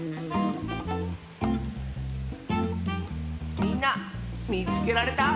みんなみつけられた？